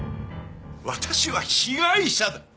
私は被害者だ！